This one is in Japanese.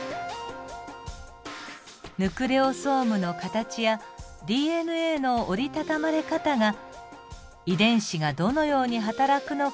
ヌクレオソームの形やＤＮＡの折りたたまれ方が遺伝子がどのように働くのかを知る手がかりとなるそうです。